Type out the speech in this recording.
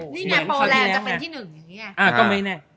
นี่ไงโปรแลจะเป็นที่๑